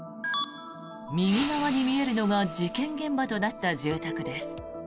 右側に見えるのが事件現場となった住宅です。